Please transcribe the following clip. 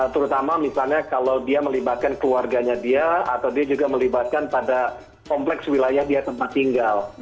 terutama misalnya kalau dia melibatkan keluarganya dia atau dia juga melibatkan pada kompleks wilayah dia tempat tinggal